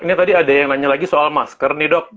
ini tadi ada yang nanya lagi soal masker nih dok